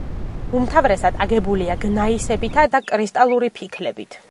უმთავრესად აგებულია გნაისებითა და კრისტალური ფიქლებით.